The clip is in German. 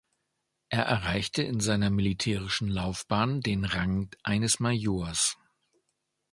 Er erreichte in seiner militärischen Laufbahn den Rang eines Majors.